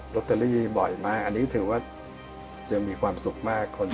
ลอตเตอรี่บ่อยมากอันนี้ถือว่าจะมีความสุขมาก